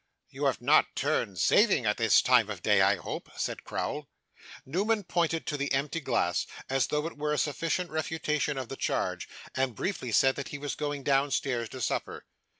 'You have not turned saving, at this time of day, I hope?' said Crowl. Newman pointed to the empty glass, as though it were a sufficient refutation of the charge, and briefly said that he was going downstairs to supper.